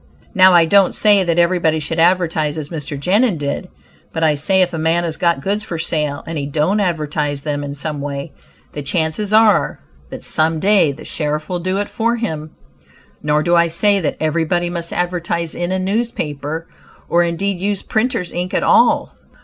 Now I don't say that everybody should advertise as Mr. Genin did. But I say if a man has got goods for sale, and he don't advertise them in some way, the chances are that some day the sheriff will do it for him. Nor do I say that everybody must advertise in a newspaper, or indeed use "printers' ink" at all.